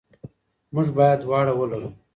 موږ باید دواړه ولرو.